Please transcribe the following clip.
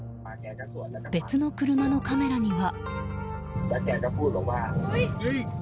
別の車のカメラには。